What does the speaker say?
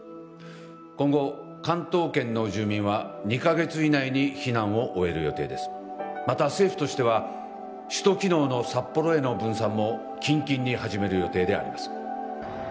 今後関東圏の住民は２カ月以内に避難を終える予定ですまた政府としては首都機能の札幌への分散も近々に始める予定であります